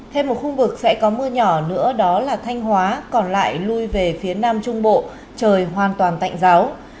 thêm một khu vực sẽ có mưa nhỏ nữa đó là thanh hóa còn lại lui về phía nam trung bộ trời hoàn toàn tạnh giáo